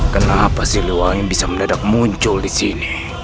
kenapa siliwangi bisa mendadak muncul disini